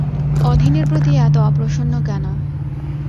অধীনের প্রতি এত অপ্রসন্ন কেন?